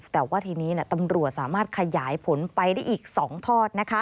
แต่ว่าทีนี้ตำรวจสามารถขยายผลไปได้อีก๒ทอด